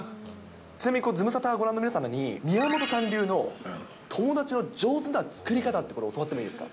ちなみにズムサタご覧の皆様に、宮本さん流の友達の上手な作り方って、これ、教わってもいいですか。